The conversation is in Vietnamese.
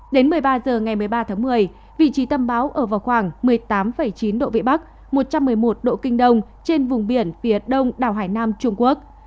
đến một mươi ba h ngày một mươi ba tháng một mươi vị trí tâm bão ở vào khoảng một mươi tám chín độ vĩ bắc một trăm một mươi một độ kinh đông trên vùng biển phía đông đảo hải nam trung quốc